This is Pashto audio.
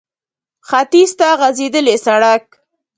ختيځ ته غځېدلی سړک